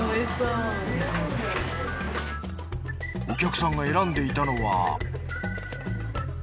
お客さんが選んでいたのは。